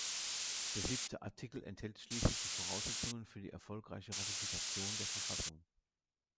Der "siebte Artikel" enthält schließlich die Voraussetzungen für die erfolgreiche Ratifikation der Verfassung.